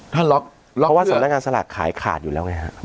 เพราะว่าสำนักงานสละขายขาดอยู่แล้วไงครับ